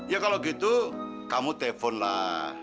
ya kalau gitu kamu teleponlah